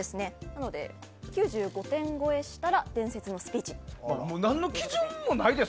なので、９５点超えしたら伝説のスピーチと。